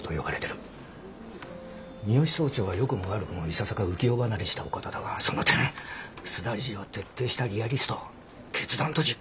三芳総長はよくも悪くもいささか浮世離れしたお方だがその点須田理事は徹底したリアリスト決断と実行の方だ。